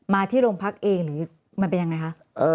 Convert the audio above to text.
มาที่โรงพักษณ์เองหรือมันเป็นอย่างไรคะ